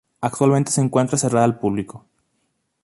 Actualmente se encuentra cerrada al público.